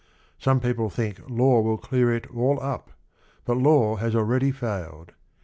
Some people think law will clear it all up, but law has already failed.